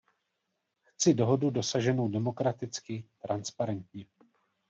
Chci dohodu dosaženou demokraticky, transparentně.